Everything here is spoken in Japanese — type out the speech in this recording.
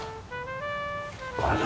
あら。